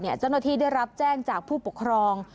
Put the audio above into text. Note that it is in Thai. เจ้าหน้าที่ได้รับแจ้งจากผู้ปกครอง